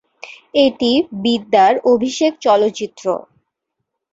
এটি বিদ্যার অভিষেক চলচ্চিত্র।